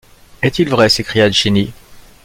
Est-il vrai? s’écria Jenny.